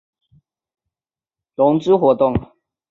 其他影响企业长期负债及股本的活动亦列为融资活动。